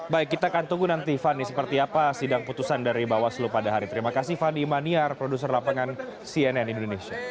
baik kita akan tunggu nanti fani seperti apa sidang putusan dari bawaslu pada hari terima kasih fani imaniar produser lapangan cnn indonesia